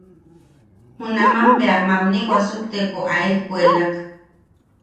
Junam bea mamni wasuktepo a escuelak.